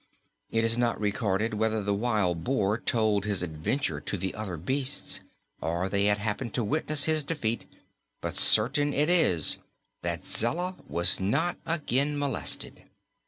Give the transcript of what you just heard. It is not recorded whether the wild boar told his adventure to the other beasts or they had happened to witness his defeat, but certain it is that Zella was not again molested.